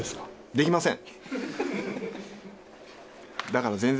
できません。